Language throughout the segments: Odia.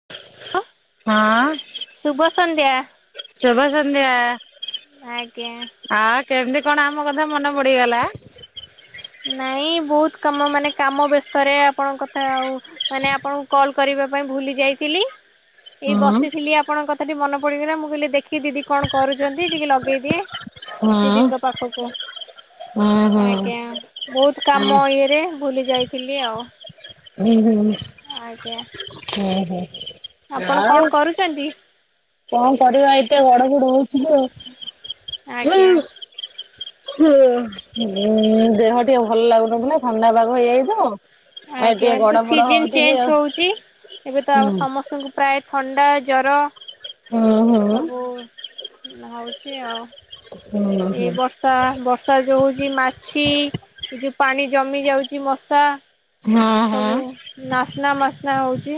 ହଁ। ଶୁଭ ସଂନ୍ଧ୍ୟା। ଶୁଭ ସନ୍ଧ୍ୟା ଆଜ୍ଞା। ଆ କେମିତି କଣ ଆମ କଥା ମନେ ପଡିଗଲା। ନାଇଁ ବହୁତ କାମ ମାନେ କାମ ବ୍ୟସ୍ତ ରେ ଆପଣଙ୍କ କଥା ଆଉ ମାନେ ଆପଣଙ୍କୁ କଲ୍ କରିବା ପାଇଁ ଭୁଲି ଯାଇଥିଲି ହୁଁ ଏଇ ବସିଥିଲି ଆପଣଙ୍କ କଥାଟି ମନେ ପଡ଼ିଗଲା ମୁଁ କହିଲି ଦେଖି ଦିଦି କଣ କରୁଛନ୍ତି ଟିକେ ଲଗେଇ ଦିଏ ହୁଁ ଦିଦିଙ୍କ ପାଖକୁ। ହୁଁ ହୁଁ। ଆଜ୍ଞା ବହୁତ କାମ ଇଏରେ ଭୁଲି ଯାଇଥିଲି ଆଉ। ହୁଁ ହୁଁ। ଆଜ୍ଞା। ଉଁ ହୁଁ। ଆପଣ କଣ କରୁଚନ୍ତି? କଣ କରିବା ଏଇଠି ଟିକେ ଗଡପଡ଼ ହଉଛି ଆଉ ଆଜ୍ଞା। ହୁଁ ଉଁ ଦେହ ଟିକେ ଭଲ ଲାଗୁନଥିଲା ଥଣ୍ଡା ପାଗ ହେଇଯାଇଚି ତ। ଆଉ ଆଜ୍ଞା ଟିକେ ଏବେ ତ ଗଡପଡ ସିଜନ ହଉଥିଲି ଚେଞ୍ଜ ଆଉ ହଉଛି ଏବେ ତ ହୁଁ ଆ ସମସ୍ତ ପ୍ରାୟ ଥଣ୍ଡା ଜର ହୁଁ ହୁଁ। ସବୁ। ହଉଛି ଆଉ ହୁଁ ହୁଁ ଏଇ ବ ବର୍ଷା ବର୍ଷା ଯଉ ହଉଛି ମାଛି ଏ ଯଉ ପାଣି ଜମି ଯାଉଛି ମଶା ହଁ ହଁ ସବୁ ନାସ୍ନା ମାସ୍ନା ହଉଛି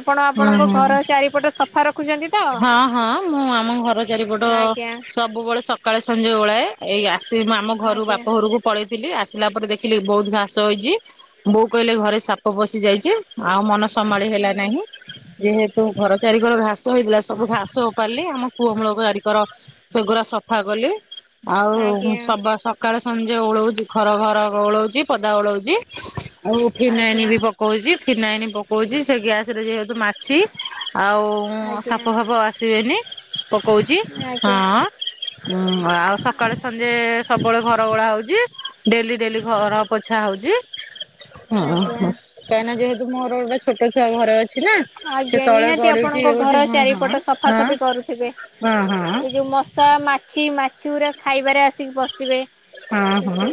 ଆପଣ ହଁ ଆପଣଙ୍କ ହଁ। ଘର ଚାରିପଟ ସଫା ରଖ ଖୁଛନ୍ତି। ହଁ ହଁ ମୁଁ ଆମ ଘର ଚାରିପଟ ଆଜ୍ଞା ସବୁବେଳେ ସକାଳେ ସଞ୍ଜ ଉଳାଏ। ଏଇ ଆସିବି ମୁଁ ଆମ ଘରୁ ଆଜ୍ଞା ବାପ ଘରକୁ। ପଳେଇଥିଲି ଆସିଲା ପରେ ଦେଖିଲି ବହୁତ ଘାସ ହେଇଛି ବୋଉ କହିଲେ ଘରେ ସାପ ପଶି ଯାଇଛି। ଆଉ ମନ ସମ୍ଭାଳି ହେଲା ଆଜ୍ଞା ନାହିଁ ଯେହେତୁ ଘର ଚାରି କର ଘାସ ହେଇଥିଲା ସବୁ ଘାସ ଓପାରିଲି ଆମ କୁଅ ମୂଳ ଚାରିକର ସେଗୁଡା ସଫା କଲି। ଆଉ ଉଁ ଆଜ୍ଞା। ସବା ଶବ୍ ସକାଳ ସଞ୍ଜ ଓଳଉଛି ଘର ଘର ଓଳଉଛି ପଦା ଓଳଉଛି। ଆଉ ଆଜ୍ଞା ଫିନାଇନ ଆଜ୍ଞା ବି ପକଉଛି ଫିନାଇନ ପକଉଛି ସେ ଗ୍ୟାସ ରେ ଯେହେତୁ ମାଛି ଆଉ ମୁଁ ସାପ ଫାପ ଆଉ ଆସିବେନି ପକଉଛି ଆଜ୍ଞା ହଁ। ଉଁ ଆଉ ସକାଳେ ସଞ୍ଜେ ସବୁବେଳେ ଘର ଓଳା ହଉଛି। ଡେଲି ଡେଲି ଘର ପୋଛା ହଉଛି ହୁଁ ହୁଁ। ଆଜ୍ଞା। କାହିଁକି ନା ଯେହେତୁ ମୋର ଗୋଟେ ଛୋଟ ଛୁଆ ଘରେ ଅଛି ନା ସେ ଆଜ୍ଞା ତଳେ ନିହାତି ଗଡୁଛି ଆପଣଙ୍କ ଗୋଟେ ଘର ଚାରିପଟ ହଁ ହଁ ସଫାସଫି ହଁ କରୁଥିବେ। ଏ ହଁ ହଁ। ମଶା ମାଛି ମାଛି ଗୁରା ଖାଇବାରେ ଆସିକି ବସିବେ। ହଁ ହଁ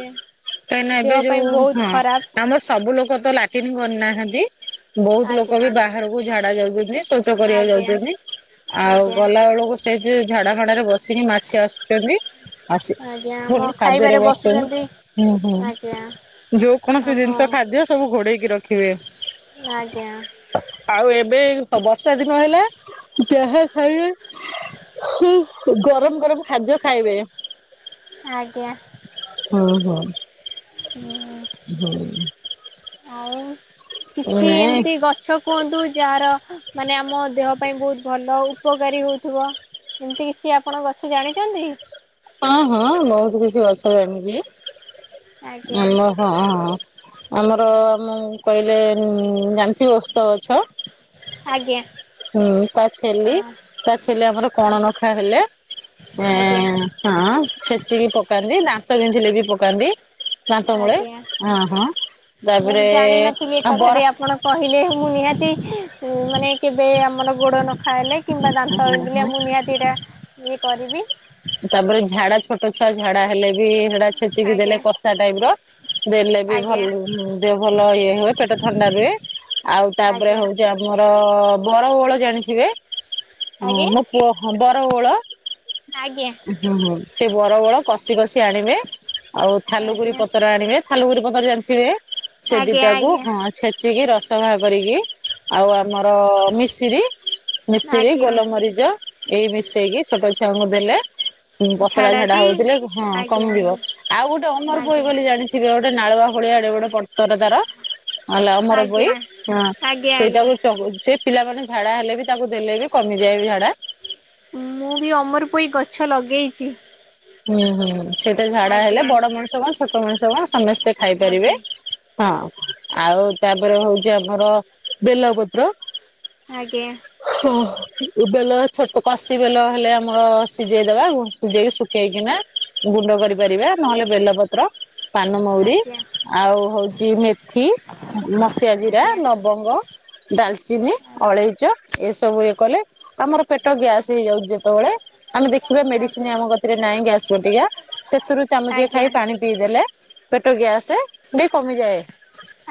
କାହିଁକିନା ଦେହ ଏବେ ପାଇଁ ଯୋଉ ବହୁତ ହଁ ଖରାପ ଆମର ସବୁ ଲୋକ ତ ଲାଟିନ୍ କରିନାହାନ୍ତି। ବହୁତ ଲୋକ ଆଜ୍ଞା ବି ବା ବାହାରକୁ ଝାଡା ଯାଉଛନ୍ତି ଶ୍ଵଚ କରିବାକୁ ଯାଉଛନ୍ତି ଆଜ୍ଞା। ଆଉ ଆଜ୍ଞା ଗଲା ବେଳକୁ ସେଇଠି ଝାଡା ଫାଡରେ ବସିକି ମାଛି ଆସୁଛନ୍ତି ଆସି ଆଜ୍ଞା ଵୁଲି ଆମ ଖାଦ୍ୟରେ ଖାଇବାରେ ବସୁଛନ୍ତି ବଷୁଛନ୍ତି ହୁଁ ହୁଁ ଆଜ୍ଞା। ଯୋଉ କୌଣସି ଆମ ଜିନିଷ ଖାଦ୍ୟ ସବୁ ଘୋଡେଇକି ରଖିବେ। ଆଜ୍ଞା ଆଉ ଏବେ ବ ବର୍ଷା ଦିନ ହେଲା। ଯାହା ଖାଇବେ ହା ଗରମ ଗରମ ଖାଦ୍ୟ ଖାଇବେ। ଆଜ୍ଞା। ହୁଁ ହୁଁ। [inaudible] ହୁଁ। ହଁଉ କିଛି ନାଇଁ ଏମିତି ଗଛ ଗଛ କୁହନ୍ତୁ ଯାହାର ମାନେ ଆମ ଦେହ ପାଇଁ ବହୁତ ଭଲ ଉପକାରୀ ହଉଥିବ। ଏମିତି କିଛି ଆପଣ ଗଛ ଜାଣିଛନ୍ତି? ହଁ ହଁ ବହୁତ କିଛି ଗଛ ଜାଣିଛି ଆଜ୍ଞା ଆମ ହଁ ହଁ ଆମର ଆମ କହିଲେ ଯାଣୀଥିବ ଓସ୍ତ ଗଛ ଆଜ୍ଞା। ହୁଁ ତା ଛେଲି ହଁ। ତା ଛେଲି ଆମର କଣ ଆଜ୍ଞା ନଖା ହେଲେ ଆଜ୍ଞା ଆଁ ହଁ ଛେଚିକି ପକାନ୍ତି ଦାନ୍ତ ଵିନ୍ଧିଲେ ବି ପକାନ୍ତି। ଦାନ୍ତମୂଳେ ଆଜ୍ଞା। ଅ ହଁ ମୁଁ ତାପରେ ଜାଣିନଥିଲି ଏ ଆ କଥାଟି ବର ଆପଣ କହିଲେ ମୁଁ ନିହାତି ମାନେ କେବେ ଆମର ଗୋଡ ନ ଖାଇଲେ କିମ୍ବା ଦାନ୍ତ ହଁ ବିନ୍ଧିଲେ ହଁ ମୁଁ ନିହାତି ଏଟା ଇଏ କରିବି ତାପରେ ଝାଡା ଛୋଟ ଛୁଆ ଝାଡା ହେଲେ ବି ସେଡା ଛେଚିକି ଦେଲେ ଆଜ୍ଞା କଷା ଟାଇପ ର ଦେଲେ ବି ଆଜ୍ଞା ଭଲ ଦେହ ଭଲ ଇଏ ହୁଏ ପେଟ ଥଣ୍ଡା ରୁହେ ଆଉ ତାପରେ ଆଜ୍ଞା ହଉଛି ମୋର ବର ଓହଳ ଜାଣିଥିବେ ଆଜ୍ଞା ମୋ ପୁଅ ବର ଓହଳ ଆଜ୍ଞା। ହୁଁ ହୁଁ ସେ ବର ଓହଳ କଷି କଷି ଆଣିବେ ଆଉ ଥାଲୁଗୁରି ଆଜ୍ଞା ପତ୍ର ଆଣିବେ ଫାଲୁଗିରି ପତର ଜାଣିଥିବେ ସେ ଆଜ୍ଞା ଦିଟାକୁ ଆଜ୍ଞା ହଁ ଛେଚିକି ରସ ବାହାର କରିକି ଆଉ ଆମର ମିସିରି ମିଶରି ଆଜ୍ଞା ଗୋଲମରିଚ ଏଇ ମିଶେଇକି ଛୋଟ ଛୁଆଙ୍କୁ ଦେଲେ ହଁ ପତଳା ଝାଡା ଝାଡ଼ାଟି ହଉଥିଲେ ହଁ ଆଜ୍ଞା କମିଯିବ ଆଉ ଗୋଟେ ଅନର୍ପଇ ଆଜ୍ଞା ବୋଲି ଜାଣିଥିବେ ଗୋଟେ ନାଳୁଆ ଭଳିଆ ଏବେ ବଡ଼ ପତର ତାର ହେଲା ଅମର ପଇ ଆଜ୍ଞା ହ ଆଜ୍ଞା ଆଜ୍ଞା ସେଇଟାକୁ [unintelligible] ଛି ପିଲାମାନେ ଝାଡ଼ା ହେଲେ ବି ତାକୁ ଦେଲେ ବି କମିଯାଏ ଝାଡ଼ା ମୁଁ ବି ଅମର ପୋଇ ଗଛ ଲଗେଇଛି। ହୁଁ ହୁଁ ସେଟା ଝାଡା ହେଲେ ଆଜ୍ଞା ବଡ ମଣିଷ କଣ ଛୋଟ ମଣିଷ କଣ ସମସ୍ତେ ଖାଇପାରିବେ ଆଜ୍ଞା ହଁ ଆଉ ତାପରେ ହଉଛି ଆମର ବେଲପତ୍ର ଆଜ୍ଞା। ହ ବେଲ ଛୋଟ କଷି ବେଲ ହେଲେ ଆମର ସିଝେଇଦବା ସିଝେଇକି [unintelligible] ପେଇକିନା ଗୁଣ୍ଡ କରିପାରିବାେ ନହେଲେ ବେଲପତ୍ର ପାନମହୁରି ଆଜ୍ଞା ଆଉ ହଉଛି ମେଥି ମସିଆ ଜିରା ଆଜ୍ଞା ଲବଙ୍ଗ ଡାଲଚିନି ଆଜ୍ଞା ଅଳେଇଚ ଏସବୁ ଇଏ କଲେ ଆମର ପେଟ ଗ୍ୟାସ ହେଇଯାଉଛି ଯେତେବେଳେ ଆମେ ଦେଖିବା ମେଡିସିନ ଆଜ୍ଞା ଆମ କାହିଁ ଗ୍ୟାସ୍ ଅଧିକା ସେଥିରୁ ଚାମୁଚେ ଆଜ୍ଞା ଖାଇ ପାଣି ପିଇ ଦେଲେ ପେଟ ଗ୍ୟାସ ବି କମିଯାଏ।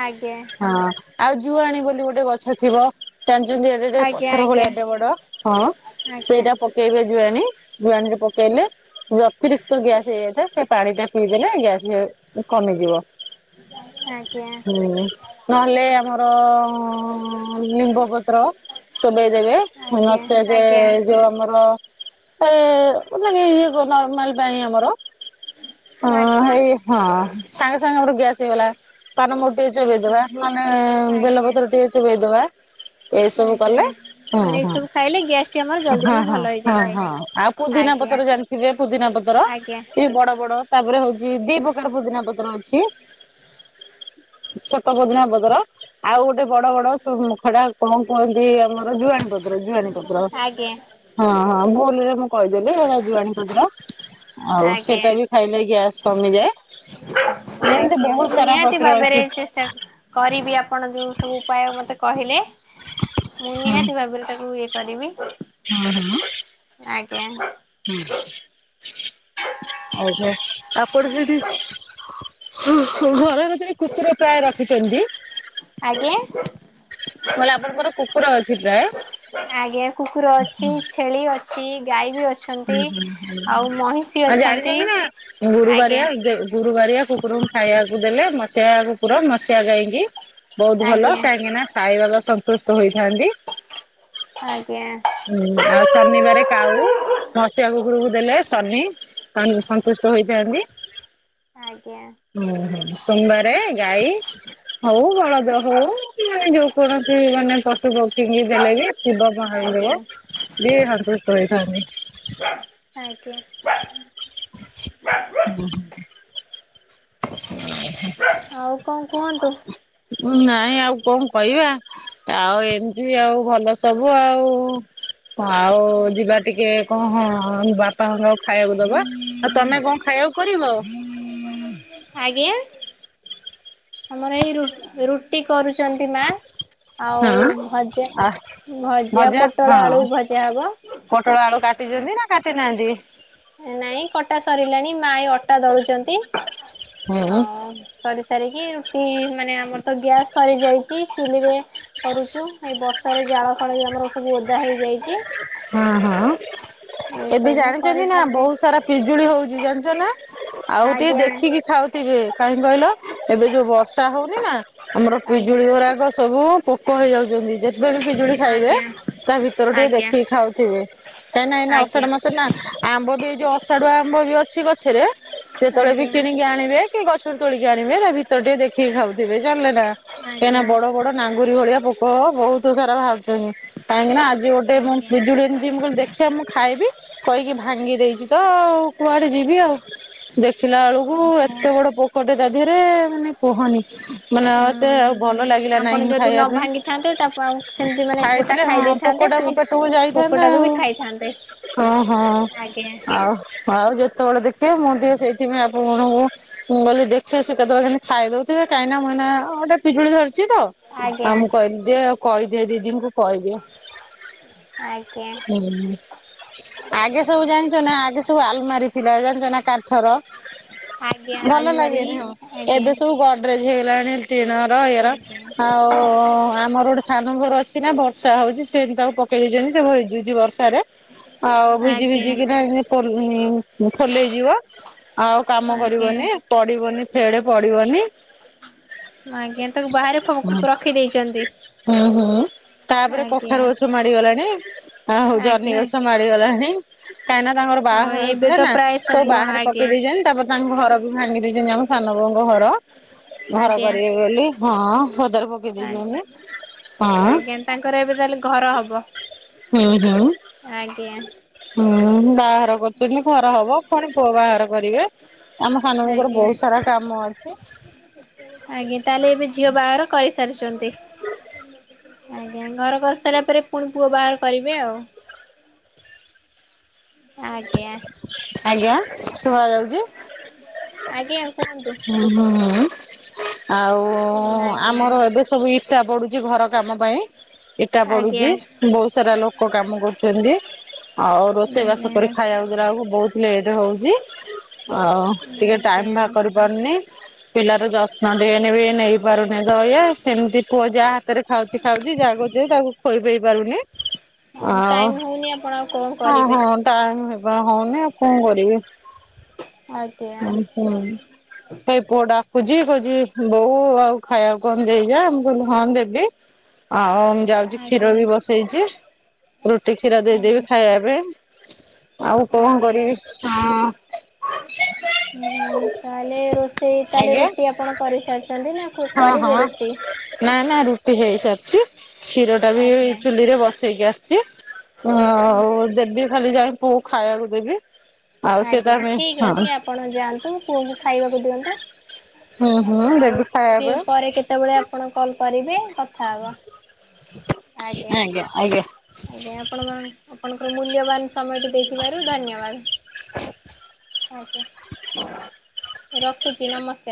ଆଜ୍ଞା। ହଁ ଆଉ ଜୁଆଣୀ ବୋଲି ଗୋଟେ ଗଛ ଥିବ। ଜାଣିଛନ୍ତି ଏଟେ ଆଜ୍ଞା ପଥର ଭଳିଆ ଏଟେ ବଡ ହଁ ଆଜ୍ଞା ଆଜ୍ଞା ସେଇଟା ପକେଇବେ ଜୁଆଣୀ ଜୁଆଣୀରେ ପକେଇଲେ ଅତିରିକ୍ତ ଗ୍ୟାସ ହେଇଯାଇଥାଏ ସେ ପାଣି ଟା ପିଇଦେଲେ ଗ୍ୟାସ କମିଯିବ। ହଁ। ହୁଁ ନହେଲେ ଆମର ନିିମ୍ବପତ୍ର। ଚୋବେଇଦେବେ ଆଜ୍ଞା ନଚେତ ଆଜ୍ଞା ଯୋଉ ଆମର ଏ ମାନେ ଇଏ ନର୍ମାଲ ପାଇଁ ଆମର ହଁ ଆଜ୍ଞା ହେଇ। ହଁ ସାଙ୍ଗେ ସାଙ୍ଗେ ଆମର ଗ୍ୟାସ୍ ହେଇଗଲା। ପାନମର ଟିକେ ଆଜ୍ଞା ଚୋବେଇଦବା ନହେ ଆଜ୍ଞା ବେଲପତ୍ର ଟିକେ ଚବେଇଦବା। ଏଇସବୁ କଲେ ଆଜ୍ଞା ହଁ ମାନେ ଏଇ ହଁ ହଁ ସବୁ ଖାଇଲେ ଗ୍ୟାସ୍ ଟି ଆମର ଜଲ୍ଦି ଟିକେ ହଁ ଭଲ ହଁ ହେଇଯାଇଥାଏ ହଁ ଆଉ। ପୁଦିନା ଆଜ୍ଞା ପତର ଜାଣିଥିବେ ପୁଦିନା ପତର ଆଜ୍ଞା ଏ ବଡ ବଡ। ତାପରେ ହଉଛି ଦି ପ୍ରକାର ପୁଦିନା ପତ୍ର ଅଛି। ସେତପୋଦିନା ପତ୍ର। ଆଉ ଗୋଟେ ବଡ ବଡ ମୁଖ ଟା କଣ କୁହନ୍ତି ଆମର ଜୁଆଣୀପତ। ଜୁଆଣୀ ପତ୍ର ଆଜ୍ଞା ହଁ ହଁ ଭୁଲରେ ମୁଁ କହିଦେଲି ହେରା ଜୁଆଣି ଶୀଘ୍ର ଆଉ ଆଜ୍ଞା ସେଟା ବି ଖାଇଲେ ଗ୍ୟାସ କମିଯାଏ। ଏମିତି ବହୁତ ସାରା ପତ୍ର ଅଛି। ସେୟା କରିବି ଆପଣ ଯେଉଁ ସବୁ ଉପାୟ ମୋତେ କହିଲେ। ମୁଁ ନିହାତି ଭାବରେ ତାକୁ ଇଏ କରିବି। ହୁଁ ହୁଁ। କିଆଁ। ହଁ ଆଉ ତାପରେ ସେଠି ଘର ଭିତରେ କୁକୁର ପ୍ରାୟ ରଖିଛନ୍ତି। ଆଜ୍ଞା। କହିଲେ ଆପଣଙ୍କର କୁକୁର ଅଛି ଆଜ୍ଞା କୁକୁର ପ୍ରାୟ। ଅଛି ଛେଳି ଅଛି ଗାଈ ବି ଅଛି। ହୁଁ ହୁଁ ହୁଁ ଆଉ ଅଛନ୍ତି ଜାଣିଛନ୍ତିଛନ୍ତି ନା ଆଜ୍ଞା ଗୁରୁବାରିଆ ଗୁରୁବାରଆ। କୁକୁର ଙ୍କୁ ଖାଇବାକୁ ଦେଲେ ମସିକୁ ପୁରା ମସିଆ ଗାଇକି ବହୁତ ଭଲ ଆଜ୍ଞା କାହିଁକି ନା ସାଇବାବା ସନ୍ତୁଷ୍ଟ ହୋଇଥାନ୍ତି। ଆଜ୍ଞା। ହୁଁ ଆଉ ଶନିବାରେ କାଉ। ହସିବା କୁକୁରକୁ ଦେଲେ ଶନି ସନ୍ତୁଷ୍ଟ ହୋଇଥାନ୍ତି। ଆଜ୍ଞା। ହୁଁ ହୁଁ ସୁନ୍ଦାରେ ଗାଈ ହୋଉ ବଳଦ ହୋଉ ମାନେ ଯୋଉ କୌଣସି ମାନେ ପ ଶୁଭ ଫିଙ୍ଗି ଦେଲେ ବି ଶିବ ଆଜ୍ଞା ମହାନ୍ଦେର ବି ସନ୍ତୁଷ୍ଟ ରହିଥାନ୍ତି। ଆଜ୍ଞା। ହୁଁ। ଉଁ ହୁଁ। ଆଉ କଣ କୁହନ୍ତୁ? ନାଇଁ ଆଉ କଣ କହିବା। ଆଉ ଏମିତି ଆଉ ଭଲ ସବୁ ଆଉ। ହଁ ଆଉ ଯିବା ଟିକେ କଣ ହଁ ବାପାଙ୍କର ଆଉ ଖାଇବାକୁ ଦବା। ଆଉ ତମେ କଣ ଖାଇବାକୁ କରିବ? ଆଜ୍ଞା ଆମର ଏଇ ରୁ ରୁ ରୁଟି କରୁଛନ୍ତି ମାଆ ଆଉ ହଁ ଭଜା। ଆ ଭଜା ପୋଟଳ ଆଳୁ ଭଜା ହବ। ପୋଟଳ ଆଳୁ କାଟିଛନ୍ତି ନା କାଟି ନାହାନ୍ତି। ନାଇଁ କଟା ସରିଲାଣି। ମାଁ ଏ ଅଟା ଦଳୁଚନ୍ତି। ହୁଁ ଆଉ କରି ସାରିକି ରୁଟି ମାନେ ଆମର ତ ଗ୍ୟାସ୍ ସରି ଯାଇଛି। ଚୁଲିରେ କରୁଛୁ। ଏଇ ବର୍ଷାରେ ଜାଳଫାଳ ବି ଆମର ସବୁ ଓଦା ହେଇଯାଇଛି। ହଁ, ହଁ, ଏବେ ଏସବୁ ଜାଣିଛନ୍ତି ନା, କରିକି ଏବେ ବହୁତ ସାରା ପିଜୁଳି ହଉଛି। ଜାଣିଛ ନା? ଆଉ, ଟିକେ ଆଜ୍ଞା ଦେଖିକି ଖାଉଥିବେ! କାହିଁକି କହିଲ? ଏବେ ଯୋଉ ବର୍ଷା ହଉନି ନା ଆମର ପିଜୁଳି ଆଜ୍ଞା ଗୁରାକ ସବୁ ପୋକ ହେଇଯାଉଛନ୍ତି। ଯେତେବି ପିଜୁଳି ଖାଇବେ, ଆଜ୍ଞା ତା ଭିତରେ ଆଜ୍ଞା ଟିକେ ଆଜ୍ଞା ଦେଖିକି ଖାଉଥିବେ। କାଇଁ ନା ଏନା ଅଷାଢ ମାସରେ ନା, ଆମ୍ବ ବି ଏଇ ଯୋଉ, ଅଷାଢୁଆ ଆମ୍ବ ବି ଅଛି ଗଛରେ ସେତେବେଳେ ବି ଆଜ୍ଞା କିଣିକି ଆଣିବେ କି ଗଛରୁ ତୋଳିକି ଆଣିବେ, ତା ଭିତର ଟିକେ ଦେଖିକି ଖାଉଥିବେ। ଜାଣିଲେ ନା। କାହିଁକିନା, ଆଜ୍ଞା ବଡ ବଡ ନାଙ୍ଗୁରି ଭଳିଆ ପୋକ ବହୁତ ସାରା ବାହାରୁଛନ୍ତି। କାହିଁକି ନା, ଆଜି ଗୋଟ୍ ଦେବଉଁ। ଆଜ୍ଞା ବିଜୁଳି ଏମିତି ମୁଁ କହିଲି ଦେଖିଆ, ମୁଁ ଖାଇବି କହିକି ଭାଙ୍ଗି ଦେଇଛି, ତ ଆଉ କୁଆଡେ ଯିବି ଆଉ। ଦେଖିଲା ଅଳକୁ ଓହୋ ଏତେ ବଡ ପୋକଟେ ତା ଦେହରେ, ମାନେ କୁହନି। ମାନେ, ଏତେ ଆଉ ଉଁ ଭଲ ଲାଗିଲା ଆପଣ ନାହିଁ ଯଦି ଖାଇବା ନ ପାଇଁ। ଭାଙ୍ଗିଥାନ୍ତେ ତା ଆଉ ସେମିତି ମାନେ ଗୋଟା ଖାଇଥିଲେ ହଁ, ଖାଇ ଦେଇଥାନ୍ତେ ପୋକୋଟା ପି ମୁଁ ଟୁ ଯାଇଥାନ୍ତା ପୋକଟାକୁ ଆଉ, ବି ଖାଇଥାନ୍ତେ ହଁ, ହଁ ଆଜ୍ଞା ଆଉ ଆଉ ଯେତେବେଳେ ଦେଖିବେ, ମୁଁ ଟିଏ ସେଇଥିପାଇଁ ଆପଣ କଣ ହୋ! ମୁଁ କହିଲି ଦେଖେ, ସେ କେତେବେଳେ କେନି ଖାଇଦଉଥିବେ କାହିଁନା, ମୁଁ ଏଇନା ଅଟେ ପିଜୁଳି ଧରିଛି ତ! ଆଜ୍ଞା ହଁ, ମୁଁ କହିଲି ଯେ କହିଦିଅ ଦିଦିଙ୍କୁ କହିଦିଅ। ହୁଁ ହୁଁ। ଆଗେ ସବୁ ଜାଣିଛ ନା! ଆଗେ ସବୁ ଆଲମାରି ଥିଲା, ଜାଣିଛ ନା କାଠର। ଆଜ୍ଞା ଭଲ ଆଲମାରି ଲାଗେନି ହଁ। ଆଜ୍ଞା ଏବେ ସବୁ ଗଡ ଡ୍ରେଜ୍ ହେଇଗଲାଣି। ଟିଣର ଇଏର ଆଜ୍ଞା ଆଉ-ଉ-ଉ ଆମର ଗୋଟେ ସାନ ଭର ଅଛି। ସିନା ବର୍ଷା ହଉଛି, ସେମତି ତାକୁ ପକେଇ ଦେଇଛନ୍ତି, ସେ ଭିଜୁଛି ବର୍ଷାରେ। ଆଉ ଭିଜି ଆଜ୍ଞା। ଭିଜିିକିନା [unintelligible] ଫଲ-ଅ ଫଲେଇଯିବ। ଆଉ କାମ ଆଜ୍ଞା କରିବନି। ପଡିବନି, ଥେଡେ ପଡିବନି। ଆଜ୍ଞା, ତାକୁ ବାହାରେ ଫ ରଖି ଦେଇଛନ୍ତି। ହୁଁ, ହୁଁ, ତାପରେ କଖାରୁ ଆଜ୍ଞା। ଅଛ ମାଡ଼ି ଗଲାଣି ଅ ହଉ ଜହ୍ନି ଆଜ୍ଞା ଗଛ ମାଡିଗଲାଣିହିଁ। କାହିଁକି ନା ତାଙ୍କର ହଁ ବାହାଘର ଏବେ ହେଇଥିଲା ତ ନା ପ୍ରାୟ ସବୁ ବାହାରେ ପକେଇ ଆଜ୍ଞା ଦେଇଚ ତା'ପରେ ତାଙ୍କ ଘର ବି ଭାଙ୍ଗି ଦେଇଛନ୍ତି, ଆମ ସାନ ବଉଙ୍କ ଘର। ଘର ଆଜ୍ଞା। କରିବେ ବୋଲି। ହଁ, ପଦାରେ ପକେଇ ଆଜ୍ଞା ଦେଇଛନ୍ତିି। ହଁ ଆଜ୍ଞା ତାଙ୍କର, ଏବେ ତାହେଲେ ଘର ହବ। ହୁଁ, ହୁଁ, ଆଜ୍ଞା ହୁଁ ବାହାର କରୁଚୁନି ଘର ହବ। ଫୁଣି ପୁଅ ବାହାଘର କରିବେ। ଆମ ସାନ ବଉଙ୍କର ଆଜ୍ଞା। ବହୁତ ସାରା କାମ ଅଛି। ଆଜ୍ଞା, ତାହେଲେ ଏବେ ଝିଅ ବାହାଘର କରିସାରିଛନ୍ତି। ଜ୍ଞା, ଘର କରି ସାରିଲା ପରେ, ପୁଣି ପୁଅ ବାହାର କରିବେ ଆଉ। ଆଜ୍ଞା। ଆଜ୍ଞା, ଶୁଭା ଯାଉଛି? ଆଜ୍ଞା, କୁହନ୍ତୁ। ହୁଁ, ହୁଁ, ହୁଁ, ଆଉ ଆଜ୍ଞା ଆମର ଏବେ ସେ ସବୁ ଇଟା ପଡୁଛି, ଘର କାମ ପାଇଁ। ଇଟା ଆଜ୍ଞା। ପଡୁଛି। ବହୁତ ସାରା ଲୋକ କାମ କରୁଛନ୍ତି। ଆଉ ରୋଷେଇବାସ କରି ଆଜ୍ଞା ଖାଇବାକୁ ଦେଲାକୁ ବହୁତ ଲେଟ୍ ହଉଛି। ଆଉ, ଟିକେ ଟାଇମ୍ ଆଜ୍ଞା ଭା କରି କରନି। ପିଲାର ଯତ୍ନ ଟିକେ ନେବି, ନେଇ ପାରୁନି ତ ଇଏ। ସେମିତି ପୁଅ ଯାହା ହାତରେ ଖାଉଛି ଖାଉଛି ଯାହା କରୁଛି, ତାକୁ ଖୋଇ ପେଇ ପାରୁନି। ଆଉ ଟାଇମ୍ ହଉନି। ଆପଣ ଆଉ କଣ ହଁ, କରିବେ। ହଁ ଟାଇମ୍ ହେବା ହଉନି। ଆଉ କଣ କରିବି? ଆଜ୍ଞା। ଉଁ [inaudible] ଏଇ ପୁଅ ଡାକୁଛି କହୁଛି ବୋଉ ଆଉ ଖାଇବାକୁ କଣ ଦେଇଯା ମୁଁ କହିଲି ହଁ ଦେବି। ଆଉଁ। ଯାଉଛି କ୍ଷୀର ଆଜ୍ଞା ବି ବସେଇଛି ରୁଟି କ୍ଷୀର ଦେଇଦେବି ଆଜ୍ଞା ଖାଇବା ପାଇଁ। ଆଉ କଣ ଆଜ୍ଞା। କରିବି ହଁ। ହୁଁ ତାହେଲେ ରୋଷେଇ ତାହେଲେ ଆଜ୍ଞା ରୁଟି ଆପଣ କରିସାରିଛନ୍ତି ନା। ହଁ କରିବେ ହଁ। ରୁଟି। ନା ନା ରୁଟି ହେଇସାରଛି କ୍ଷୀର ଟା ବି ଆଜ୍ଞା। ଚୁଲି ରେ ବସେଇକି ଆସିଛି। ଆଉ ଦେବି ଖାଲି ଯାଇଙ୍କି ପୁଅ କୁ ଖାଇବାକୁ ଦେବି। ଆଉ ସେ ତା ଆଜ୍ଞା ପାଇଁ ଠିକ୍ ହଁ ଅଛି ଆପଣ ଯାଆନ୍ତୁ ପୁଅଙ୍କୁ ଖାଇବାକୁ ଦିଅନ୍ତୁ। ହୁଁ ହୁଁ ଆଉ ଦେବି ଦି ଖାଇବା ପରେ କେତେବେଳେ ଆପଣ କଲ୍ କରିବେ କଥା ହେବା। ଆଜ୍ଞା ଆଜ୍ଞା। ଆଜ୍ଞା ଆପଣ ମା ଆପଣଙ୍କର ମୂଲ୍ୟବାନ ସମୟଟି ଦେଇଥିବାରୁ ଧନ୍ୟବାଦ ଆଜ୍ଞା। ରଖୁଛି ନମସ୍କାର।